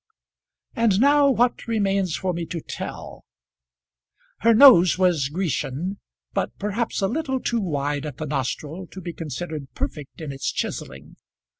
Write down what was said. And now what remains for me to tell? Her nose was Grecian, but perhaps a little too wide at the nostril to be considered perfect in its chiselling.